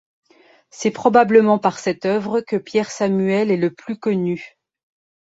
C'est probablement par cette œuvre que Pierre Samuel est le plus connu.